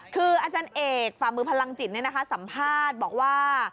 คืออาจารย์เอกฝ่ามือพลังจิตสัมภาษณ์บอกว่า